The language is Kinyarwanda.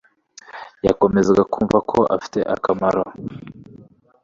Yakomezaga kumva ko afite akamaro